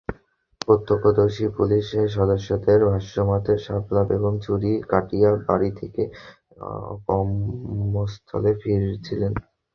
প্রত্যক্ষদর্শী পুলিশ সদস্যদের ভাষ্যমতে, শাপলা বেগম ছুটি কাটিয়ে বাড়ি থেকে কর্মস্থলে ফিরছিলেন।